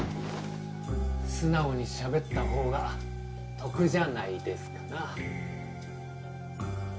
素直にしゃべった方が得じゃないですかな。